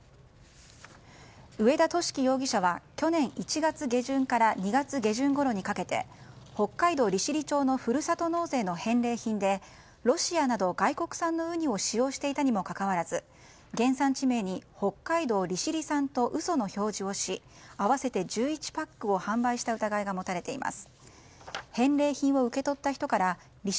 上田敏樹容疑者は去年１月下旬から２月下旬ごろにかけて北海道利尻町のふるさと納税の返礼品でロシアなど外国産のウニを使用していたにもかかわらず原産地名に北海道利尻産と嘘の表示をし合わせて１１パックを販売した疑いが持たれています。